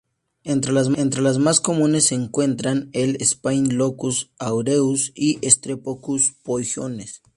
Entre las más comunes, se encuentran el "Staphylococcus aureus" y "Streptococcus pyogenes".